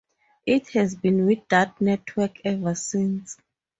It has been with that network ever since.